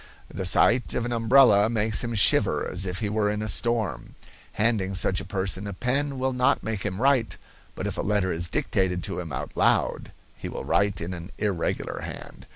The sight of an umbrella makes him shiver as if he were in a storm. Handing such a person a pen will not make him write, but if a letter is dictated to him out loud he will write in an irregular hand.